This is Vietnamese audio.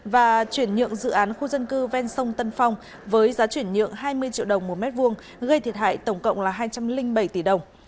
và chuyển nhượng dự án khu dân cư ven sông tân phong với giá chuyển nhượng hai mươi triệu đồng một mét vuông gây thiệt hại tổng cộng là hai trăm linh bảy tỷ đồng